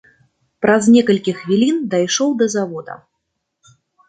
Праз некалькі хвілін дайшоў да завода.